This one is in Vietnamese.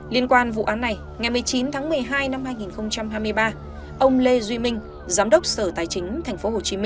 liên quan vụ án này ngày một mươi chín tháng một mươi hai năm hai nghìn hai mươi ba ông lê duy minh giám đốc sở tài chính tp hcm